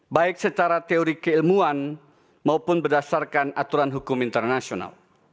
baik secara teori keilmuan maupun berdasarkan aturan hukum internasional